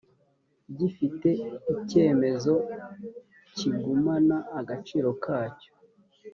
gifite icyemezo kigumana agaciro kacyo